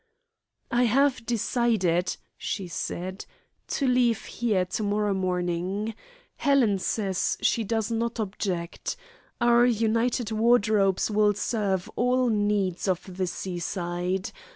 "I have decided," she said, "to leave here to morrow morning. Helen says she does not object Our united wardrobes will serve all needs of the seaside.